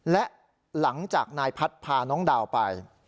และหลังจากนายพัฒน์พาน้องดาวไป